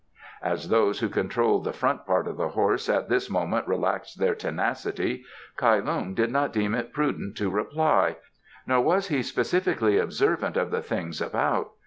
As those who controlled the front part of the horse at this moment relaxed their tenacity, Kai Lung did not deem it prudent to reply, nor was he specifically observant of the things about.